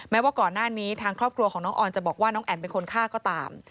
ว่าก่อนหน้านี้ทางครอบครัวของน้องออนจะบอกว่าน้องแอ๋มเป็นคนฆ่าก็ตาม